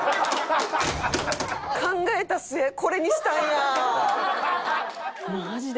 「考えた末これにしたんや！」。